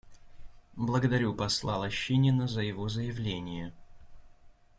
Благодарю посла Лощинина за его заявление.